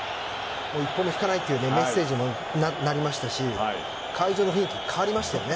一歩も引かないというメッセージにもなりましたし会場の雰囲気、変わりましたよね。